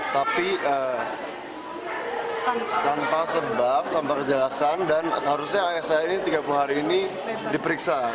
tapi tanpa sebab tanpa kejelasan dan seharusnya ayah saya ini tiga puluh hari ini diperiksa